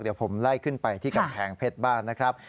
เดี๋ยวผมไล่ขึ้นไปที่กำแพงเพชรบ้างนะครับ